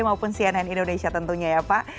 maupun cnn indonesia tentunya ya pak